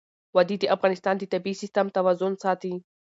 وادي د افغانستان د طبعي سیسټم توازن ساتي.